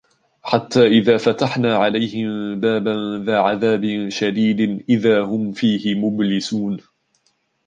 حَتَّى إِذَا فَتَحْنَا عَلَيْهِمْ بَابًا ذَا عَذَابٍ شَدِيدٍ إِذَا هُمْ فِيهِ مُبْلِسُونَ